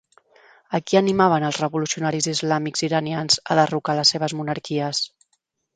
A qui animaven els revolucionaris islàmics iranians a derrocar les seves monarquies?